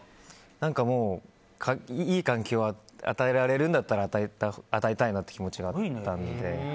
もう、いい環境を与えられるんだったら与えたいなという気持ちがあったので。